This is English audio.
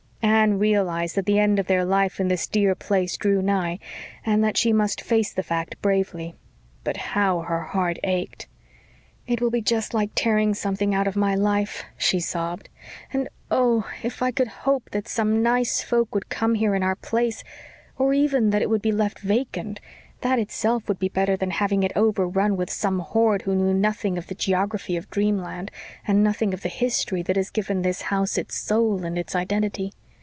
Anne realised that the end of their life in this dear place drew nigh, and that she must face the fact bravely. But how her heart ached! "It will be just like tearing something out of my life," she sobbed. "And oh, if I could hope that some nice folk would come here in our place or even that it would be left vacant. That itself would be better than having it overrun with some horde who know nothing of the geography of dreamland, and nothing of the history that has given this house its soul and its identity.